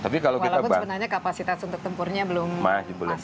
walaupun sebenarnya kapasitas untuk tempurnya belum masuk